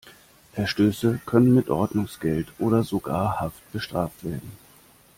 Verstöße können mit Ordnungsgeld oder sogar Haft bestraft werden.